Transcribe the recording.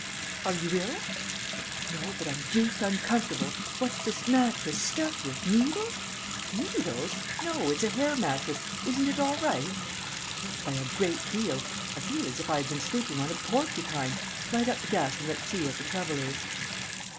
"Are you ill?" "No; but I'm deuced uncomfortable What's this mattress stuffed with needles?" "Needles? No. It's a hair mattress. Isn't it all right?" "Not by a great deal. I feel as if I had been sleeping on a porcupine. Light up the gas and let's see what the trouble is."